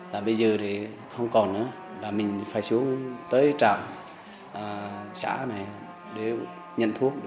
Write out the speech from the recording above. bây giờ thì không còn nữa mình phải xuống tới trạm xã này để nhận thuốc